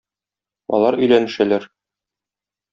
Алар өйләнешәләр.